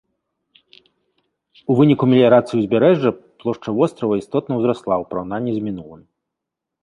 У выніку меліярацыі ўзбярэжжа плошча вострава істотна ўзрасла ў параўнанні з мінулым.